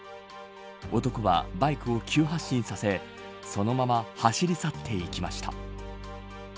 男は、バイクを急発進させそのまま走り去っていきました。